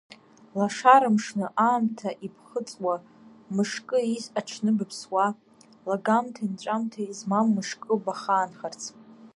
Лашара мшны аамҭа ибхыҵуа, мышкы ииз аҽны быԥсуа, лагамҭеи нҵәамҭеи змам мышкы бахаанхарц…